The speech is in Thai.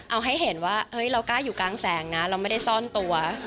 เอาให้เห็นว่าเรากล้าอยู่กลางแสงนะเราไม่ได้ซ่อนตัว